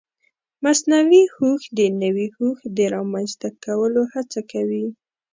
مصنوعي هوښ د نوي هوښ د رامنځته کولو هڅه کوي.